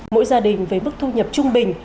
mỗi gia đình với mức thu nhập trung bình